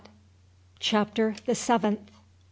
CHAPTER THE SEVENTH.